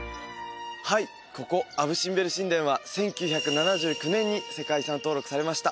はいここアブ・シンベル神殿は１９７９年に世界遺産登録されました